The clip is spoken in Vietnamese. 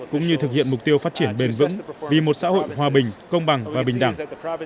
cũng như thực hiện mục tiêu phát triển bền vững vì một xã hội hòa bình công bằng và bình đẳng